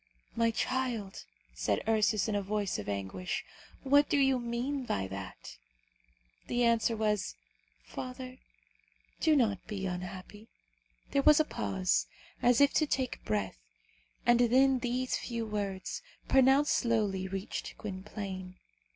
"My child," said Ursus in a voice of anguish, "what do you mean by that?" The answer was, "Father, do not be unhappy." There was a pause, as if to take breath, and then these few words, pronounced slowly, reached Gwynplaine.